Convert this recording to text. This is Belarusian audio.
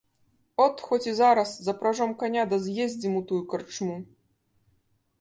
От, хоць і зараз, запражом каня да з'ездзім у тую карчму.